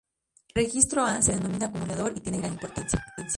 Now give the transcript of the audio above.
El registro A se denomina acumulador y tiene gran importancia.